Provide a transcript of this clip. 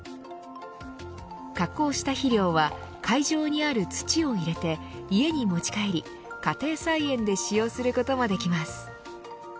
加工した肥料は会場にある土を入れて家に持ち帰り、家庭菜園で使用することもできます。